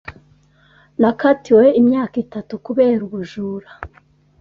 Nakatiwe imyaka itatu kubera ubujura.